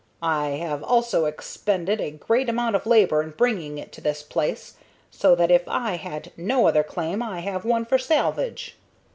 I have also expended a great amount of labor in bringing it to this place; so that if I had no other claim I have one for salvage."